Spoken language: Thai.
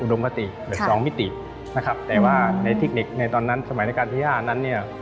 หรือสองมิตินะครับแต่ว่าในทิกนิกในตอนนั้นสมัยในการที่ห้านั้นเนี่ย